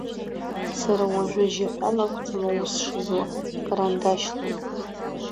Сара уажәы жьаҳәала акәӡам аус шызуа, карандашьлоуп.